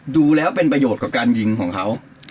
ดูแล้วเป็นประโยชน์กับการยิงของเขา